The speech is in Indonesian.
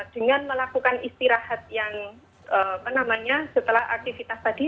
dengan melakukan istirahat yang apa namanya setelah aktivitas tadi